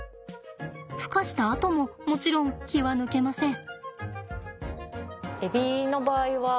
ふ化したあとももちろん気は抜けません。